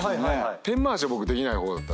ペン回しは僕できない方だった。